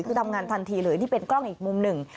คือทำงานทันทีเลยนี่เป็นกล้องอีกมุมหนึ่ง